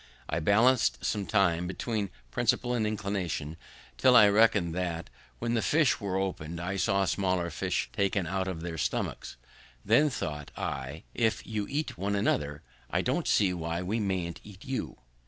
I balanc'd some time between principle and inclination, till I recollected that, when the fish were opened, I saw smaller fish taken out of their stomachs; then thought I, "If you eat one another, I don't see why we mayn't eat you."